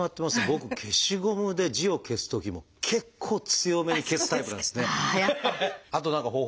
僕消しゴムで字を消すときも結構強めに消すタイプなんですね。